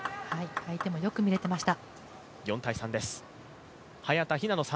相手もよく見れていました。